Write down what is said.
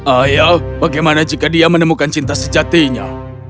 ayah bagaimana jika dia menemukan cinta sejatinya